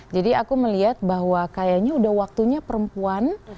jadi aku melihat bahwa kayaknya udah waktunya perempuan